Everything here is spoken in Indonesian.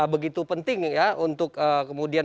begitu penting ya untuk kemudian